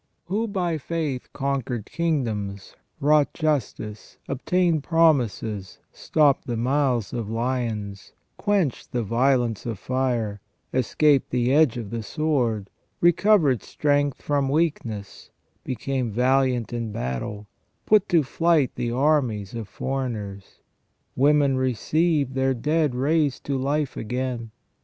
"Who by faith conquered kingdoms, wrought justice, obtained promises, stopped the mouths of lions, quenched the violence of fire, escaped the edge of the sword, recovered strength from weakness, became valiant in battle, put to flight the armies of foreigners ; women received their dead raised to life again.